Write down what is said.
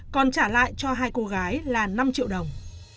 còn trả lại cho hai cô gái là năm triệu đồng